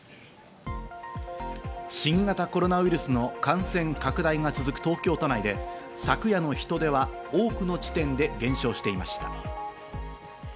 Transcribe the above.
新型コロナウイルスの感染拡大が続く東京都内で、昨夜の人出は多くの地点で減少していました。